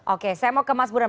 oke saya mau ke mas burhan